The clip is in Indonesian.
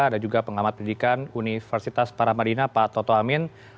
dan juga pengamat pendidikan universitas paramadina pak toto amin